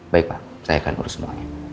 baik pak saya akan urus semuanya